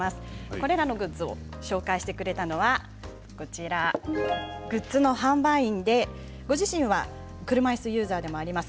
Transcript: これらのグッズを紹介してくれたのはグッズの販売員で、ご自身は車いすユーザーでもあります